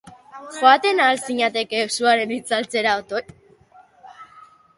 Joaten ahal zinateke suaren itzaltzera, otoi?